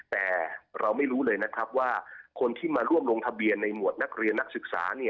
แต่เราไม่รู้เลยนะครับว่าคนที่มาร่วมลงทะเบียนในหมวดนักเรียนนักศึกษา